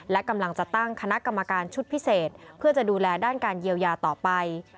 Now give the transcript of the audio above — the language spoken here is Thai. และกำลังจะตั้งคณะกรรมการชุดพิเศษเพื่อจะดูแลด้านการเยียวยาต่อไป